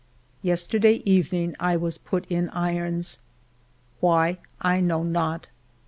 Yesterday evening I was put in irons. Why, I know not.